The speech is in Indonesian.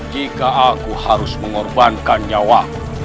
jika aku harus mengorbankan nyawa